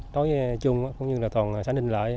nói chung cũng như là toàn sản hình lại